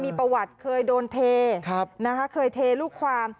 มีประวัติเคยโดนเทเคยเทลูกความ